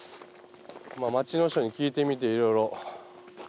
町の人に聞いてみていろいろ。